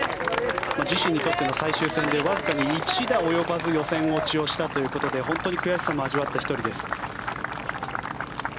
自身にとっての最終戦でわずかに１打及ばず予選落ちをしたということで悔しさも味わった１人です。